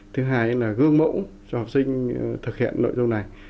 thứ hai là gương mẫu cho học sinh thực hiện nội dung này